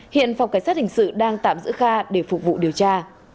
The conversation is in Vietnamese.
hiện phòng cảnh sát hình sự đang tạm giữ kha để phục vụ điều tra